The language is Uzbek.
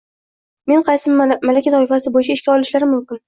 meni qaysi malaka toifasi bo‘yicha ishga olishlari mumkin?